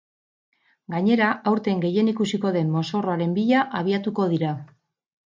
Gainera aurten gehien ikusiko den mozorroaren bila abiatuko dira.